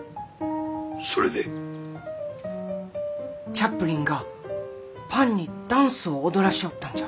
チャップリンがパンにダンスを踊らしょうったんじゃ。